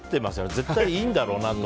絶対いいんだろうなと。